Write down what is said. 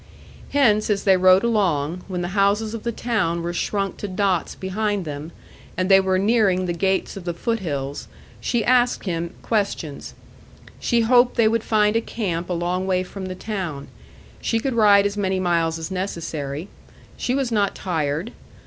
Hence, as they rode along, when the houses of the town were shrunk to dots behind them, and they were nearing the gates of the foot hills, she asked him questions. She hoped they would find a camp a long way from the town. She could ride as many miles as necessary. She was not tired.